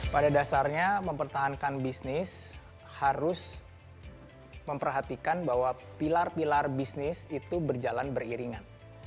pada dasarnya mempertahankan bisnis harus memperhatikan bahwa pilar pilar bisnis itu berjalan beriringan